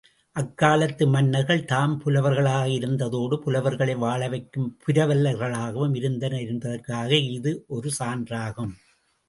அக்காலத்து மன்னர்கள் தாம் புலவர்களாக இருந்த தோடு, புலவர்களை வாழவைக்கும் புரவலர்களாகவும் இருந்தனர் என்பதற்கு இஃது ஒரு சான்றாகும்.